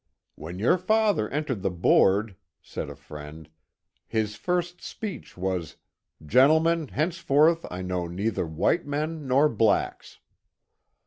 " When your father entered the board," said a friend, ^'his first speech was, ^ Gentlemen, henceforth I know neither white men nor blacks.'